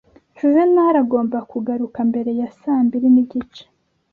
Juvenali agomba kugaruka mbere ya saa mbiri nigice.